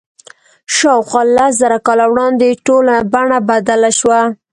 شاوخوا لس زره کاله وړاندې ټوله بڼه بدله شوه.